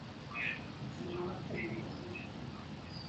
গোরা কহিল, কী রকমটা দাঁড়িয়েছে শুনি।